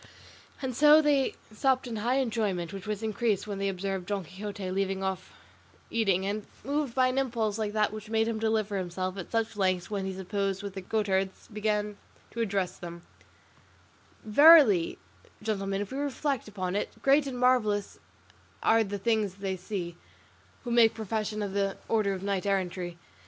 And so they supped in high enjoyment, which was increased when they observed Don Quixote leave off eating, and, moved by an impulse like that which made him deliver himself at such length when he supped with the goatherds, begin to address them: "Verily, gentlemen, if we reflect upon it, great and marvellous are the things they see, who make profession of the order of knight errantry.